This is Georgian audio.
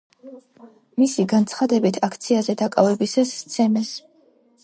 მისი განცხადებით, აქციაზე დაკავებისას სცემეს.